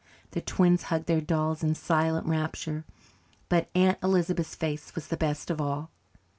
The twins hugged their dolls in silent rapture, but Aunt Elizabeth's face was the best of all.